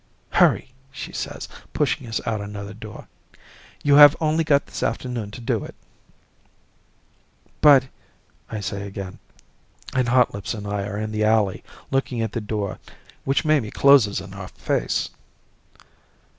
"Hurry," she says, pushing us out another door. "You have only got this afternoon to do it." "But " I say again, and Hotlips and I are in the alley looking at the door which Mamie closes in our face.